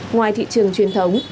ngoài thị trường truyền thống